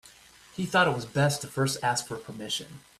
He thought it was best to first ask for permission.